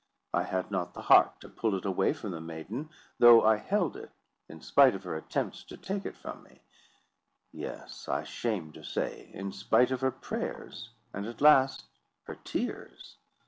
I had not the heart to pull it away from the maiden, though I held it in spite of her attempts to take it from me; yes, I shame to say, in spite of her prayers, and, at last, her tears.